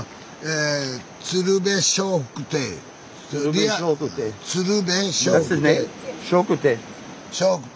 鶴瓶笑福亭。